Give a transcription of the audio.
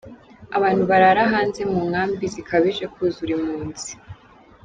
Abantu barara hanze mu nkambi zikabije kuzura impunzi.